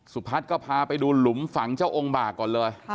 สุพัฒน์ก็พาไปดูหลุมฝังเจ้าองค์บากก่อนเลย